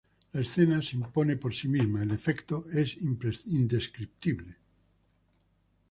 La escena se impone por sí misma, el efecto es indescriptible.